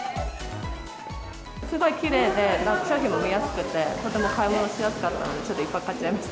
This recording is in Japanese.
すごいきれいで、商品も見やすくて、とても買い物しやすかったんで、いっぱい買っちゃいました。